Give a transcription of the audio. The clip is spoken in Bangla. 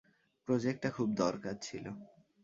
প্রোজেক্টটা খুব দরকার ছিল।